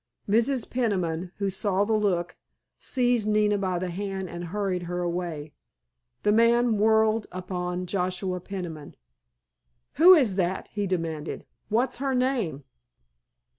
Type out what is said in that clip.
Mrs. Peniman, who saw the look, seized Nina by the hand and hurried her away. The man whirled upon Joshua Peniman. "Who is that?" he demanded. "What's her name?"